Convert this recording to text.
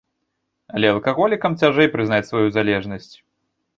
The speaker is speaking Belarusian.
Але алкаголікам цяжэй прызнаць сваю залежнасць.